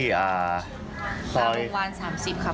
งามวงวาน๓๐ครับ